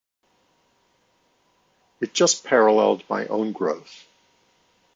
It just paralleled my own growth.